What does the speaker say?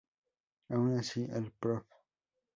Aun así, el Prof.